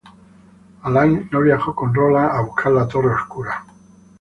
Alain no viajó con Roland a buscar la Torre Oscura.